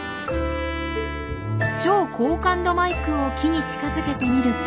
超高感度マイクを木に近づけてみると。